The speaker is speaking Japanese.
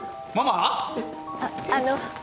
あっあの。